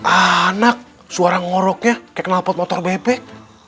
anak suara ngoroknya kayak kenal pot motor bebek